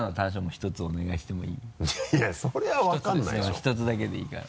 １つだけでいいから。